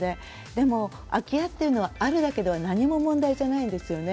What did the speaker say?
でも空き家っていうのはあるだけでは何も問題じゃないんですよね。